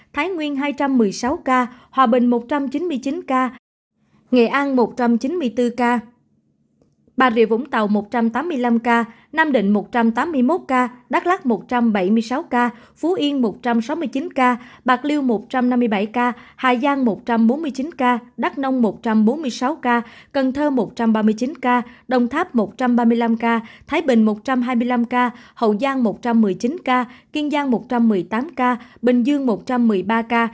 thái nguyên hai trăm một mươi sáu ca hòa bình một trăm chín mươi chín ca nghệ an một trăm chín mươi bốn ca bà rịa vũng tàu một trăm tám mươi năm ca nam định một trăm tám mươi một ca đắk lắc một trăm bảy mươi sáu ca phú yên một trăm sáu mươi chín ca bạc liêu một trăm năm mươi bảy ca hải giang một trăm bốn mươi chín ca đắk nông một trăm bốn mươi sáu ca cần thơ một trăm ba mươi chín ca đồng tháp một trăm ba mươi năm ca thái bình một trăm hai mươi năm ca hậu giang một trăm một mươi chín ca kiên giang một trăm một mươi tám ca bình dương một trăm một mươi tám ca